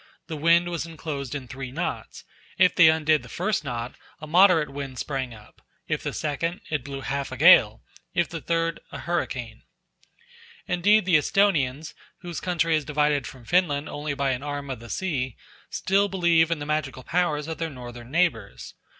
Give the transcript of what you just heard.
The wind was enclosed in three knots; if they undid the first knot, a moderate wind sprang up; if the second, it blew half a gale; if the third, a hurricane. Indeed the Esthonians, whose country is divided from Finland only by an arm of the sea, still believe in the magical powers of their northern neighbours.